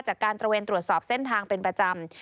ตระเวนตรวจสอบเส้นทางเป็นประจำ